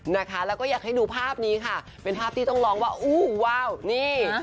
นะคะแล้วก็อยากให้ดูภาพนี้ค่ะเป็นภาพที่ต้องร้องว่าอู้ว้าวนี่